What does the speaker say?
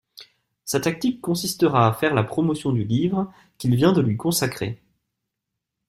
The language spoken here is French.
Sa tactique consistera à faire la promotion du livre qu'il vient de lui consacrer.